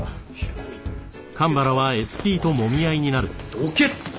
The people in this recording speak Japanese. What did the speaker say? どけって！